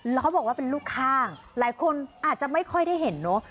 แล้วเขาบอกว่าเป็นลูกข้างหลายคนอาจจะไม่ค่อยได้เห็นเนอะ